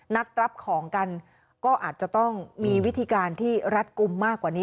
นัดรับของกันก็อาจจะต้องมีวิธีการที่รัดกลุ่มมากกว่านี้